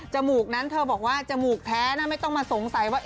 มูกนั้นเธอบอกว่าจมูกแท้ไม่ต้องมาสงสัยว่า